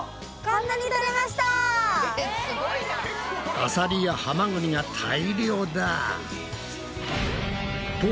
アサリやハマグリが大漁だ！